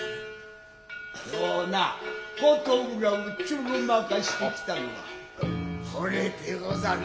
今日な琴浦をちょろまかして来たのはほれてござる